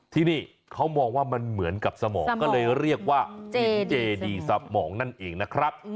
ที่นี่เขามองว่ามันเหมือนกับสมองก็เลยเรียกว่าหินเจดีสมองนั่นเองนะครับ